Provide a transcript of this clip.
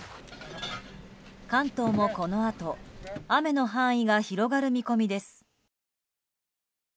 関東もこのあと雨の範囲が広がる見込みです。